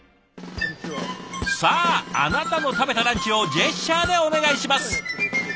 さああなたの食べたランチをジェスチャーでお願いします。